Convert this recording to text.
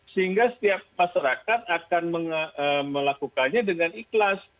sehingga setiap masyarakat akan melakukannya dengan ikhlas